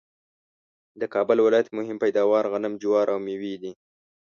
د کابل ولایت مهم پیداوار غنم ،جوار ، او مېوې دي